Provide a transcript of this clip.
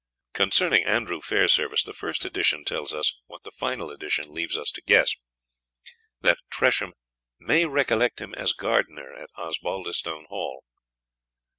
Concerning Andrew Fairservice, the first edition tells us what the final edition leaves us to guess that Tresham "may recollect him as gardener at Osbaldistone Hall."